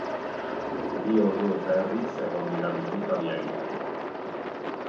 Bi ordu eta erdiz egon dira bilduta bi agintariak.